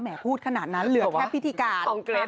พูดขนาดนั้นเหลือแค่พิธีการ